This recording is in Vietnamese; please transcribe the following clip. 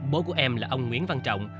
bố của em là ông nguyễn văn trọng